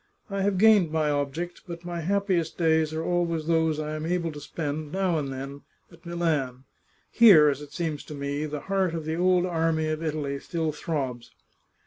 I have gained my object, but my happiest days are always those I am able to spend, now and then, at Milan. Here, as it seems to me, the heart of the old army of Italy still throbs."